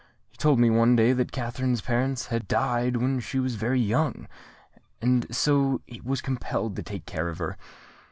He told me one day that Katherine's parents had died when she was very young, and so he was compelled to take care of her.